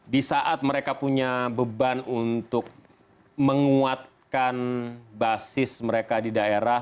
di saat mereka punya beban untuk menguatkan basis mereka di daerah